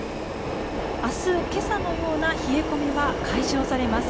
明日、今朝のような冷え込みは解消されます。